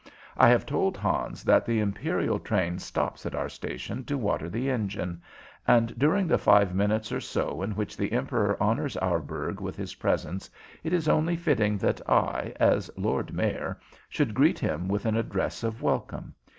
I have told Hans that the imperial train stops at our station to water the engine, and during the five minutes or so in which the Emperor honors our burg with his presence it is only fitting that I, as Lord Mayor, should greet him with an address of welcome.